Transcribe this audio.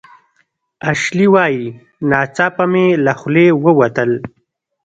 اشلي وايي "ناڅاپه مې له خولې ووتل